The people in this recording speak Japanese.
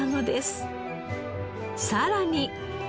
さらに。